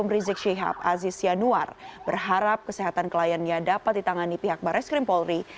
rizik syihab aziz yanuar berharap kesehatan kliennya dapat ditangani pihak barai skrimpolri